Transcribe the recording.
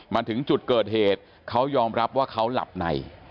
มาถึงจุดเกิดเหตุเขายอมรับว่าเขาหลับใน